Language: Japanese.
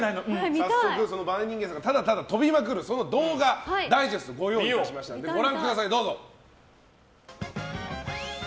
早速、バネ人間さんがただただ跳びまくる動画のダイジェストをご用意しましたのでご覧ください。